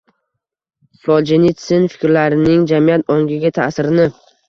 Soljenitsin fikrlarining jamiyat ongiga ta’sirini